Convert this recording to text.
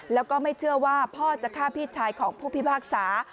แล้วก็ไม่เชื่อว่าพ่อจะฆ่าพี่ชายของผู้พิพากษา